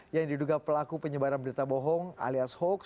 yang diduga pelaku penyebaran berita bohong alias hoax